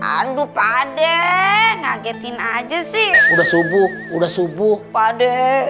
aduh pade ngagetin aja sih udah subuh udah subuh pade